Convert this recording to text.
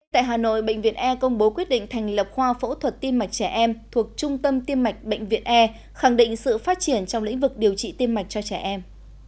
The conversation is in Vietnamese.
tại hà nội bệnh viện e công bố quyết định thành lập khoa phẫu thuật tim mạch trẻ em thuộc trung tâm tiêm mạch bệnh viện e khẳng định sự phát triển trong lĩnh vực điều trị tiêm mạch cho trẻ em